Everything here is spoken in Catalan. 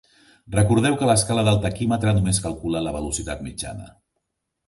Recordeu que l'escala del taquímetre només calcula la velocitat mitjana.